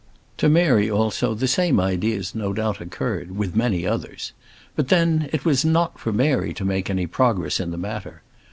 To Mary, also, the same ideas no doubt occurred with many others. But, then, it was not for Mary to make any progress in the matter.